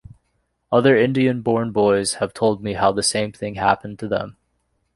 Other Indian-born boys have told me how the same thing happened to them.